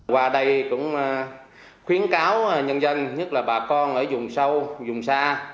qua đây cũng khuyến cáo nhân dân nhất là bà con ở dùng sâu dùng xa